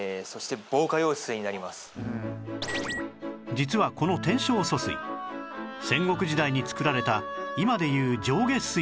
実はこの天正疎水戦国時代に作られた今でいう上下水道